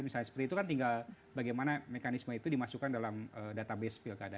misalnya seperti itu kan tinggal bagaimana mekanisme itu dimasukkan dalam database pilkada